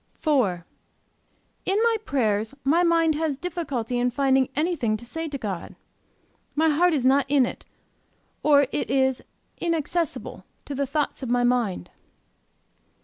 "IV. In my prayers my mind has difficulty in finding anything to say to God. My heart is not in it, or it is inaccessible to the thoughts of my mind.